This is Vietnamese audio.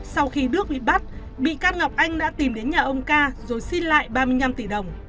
sau khi bước bị bắt bị can ngọc anh đã tìm đến nhà ông ca rồi xin lại ba mươi năm tỷ đồng